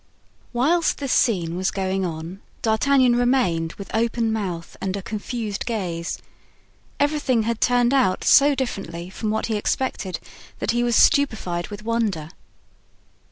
Whilst this scene was going on, D'Artagnan remained with open mouth and a confused gaze. Everything had turned out so differently from what he expected that he was stupefied with wonder.